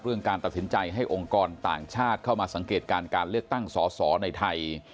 การตัดสินใจให้องค์กรต่างชาติเข้ามาสังเกตการณ์การเลือกตั้งสอสอในไทย